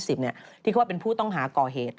ที่เขาว่าเป็นผู้ต้องหาก่อเหตุ